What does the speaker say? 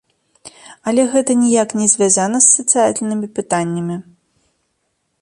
Але гэта ніяк не звязана з сацыяльнымі пытаннямі.